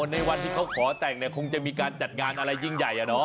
ในวันที่เขาขอแต่งเนี่ยคงจะมีการจัดงานอะไรยิ่งใหญ่อะเนาะ